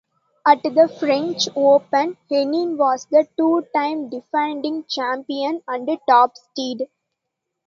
At the French Open, Henin was the two-time defending champion and top seed.